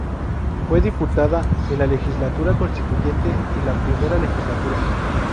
Fue diputada en la Legislatura Constituyente y en la I legislatura.